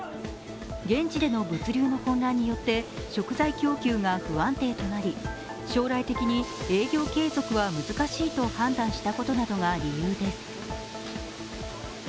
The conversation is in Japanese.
現地での物流の混乱によって食材供給が不安定となり将来的に営業継続は難しいと判断したことなどが理由です。